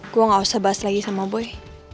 gue gak usah bahas lagi sama boy